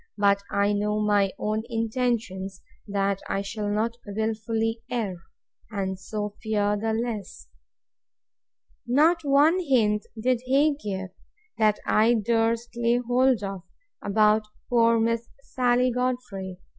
But I know my own intentions, that I shall not wilfully err; and so fear the less. Not one hint did he give, that I durst lay hold of, about poor Miss Sally Godfrey.